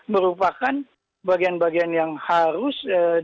merupakan bagian bagian yang harus